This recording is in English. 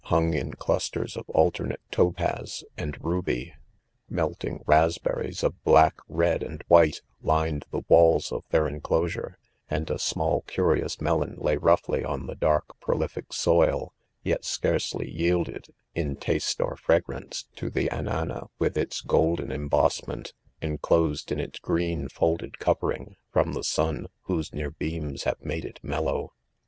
hung in clusters of alternate topaz and ruby. Melting raspberries of black, red and ■white, lined the walls of their enclosure ;•' and a small, curious melon lay roughly on the dark prolific soil, yet scarcely yielded, in taste or fragrance, to the anana with its golden em bossment, enclosed in its green folded cower ing, from the sun, whose near beams hare made it mellow.